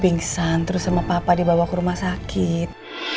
pingsan terus sama papa dibawa ke rumah sakit